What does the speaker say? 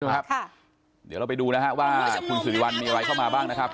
ครับค่ะเดี๋ยวเราไปดูนะฮะว่าคุณสิริวัลมีอะไรเข้ามาบ้างนะครับ